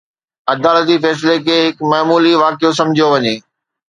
عدالتي فيصلي کي هڪ معمولي واقعو سمجهيو وڃي.